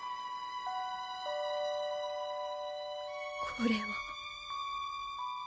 これは。